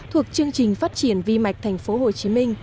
thuộc chương trình phát triển vi mạch tp hcm